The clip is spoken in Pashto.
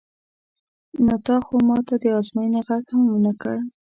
نو تا خو ما ته د ازموینې غږ هم نه کړ.